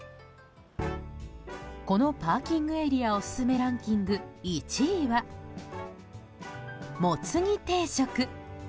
このパーキングエリアオススメランキング１位はもつ煮定食。